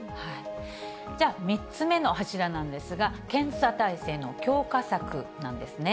じゃあ３つ目の柱なんですが、検査体制の強化策なんですね。